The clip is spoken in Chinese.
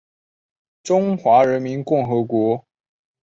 中华人民共和国情报学家。